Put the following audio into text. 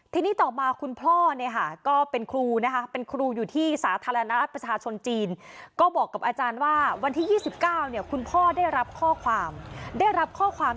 ทีนี้ต่อมาคุณพ่อเนี้ยค่ะก็เป็นครูนะคะเป็นครูอยู่ที่สาธารณะประชาชนจีนก็บอกกับอาจารย์ว่าวันที่ยี่สิบเก้าเนี้ยคุณพ่อได้รับข้อความ